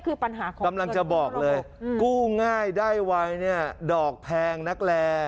กำลังจะบอกเลยกู้ง่ายได้ไว้นี่ดอกแพงนักแล